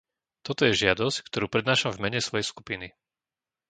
Toto je žiadosť, ktorú prednášam v mene svojej skupiny.